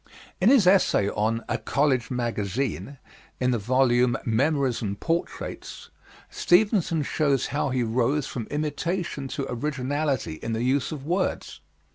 In his essay on "A College Magazine" in the volume, Memories and Portraits, Stevenson shows how he rose from imitation to originality in the use of words.